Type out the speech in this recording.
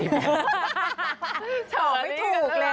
ตอบไม่ถูกเลย